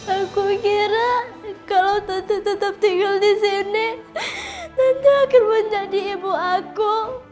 aku kira kalau tante tetap tinggal disini tante akan menjadi ibu aku